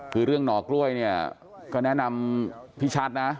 คือเรื่องหน่อกล้วยเนี่ยก็แนะนำพี่ชัดนะ